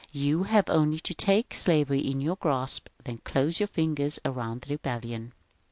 You have only to take slavery in your grasp, then close your fingers around the rebellion.